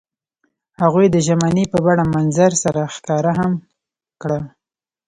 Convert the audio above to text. هغوی د ژمنې په بڼه منظر سره ښکاره هم کړه.